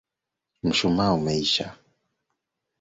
Mshumaa umeisha.